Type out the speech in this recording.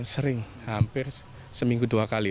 sering hampir seminggu dua kali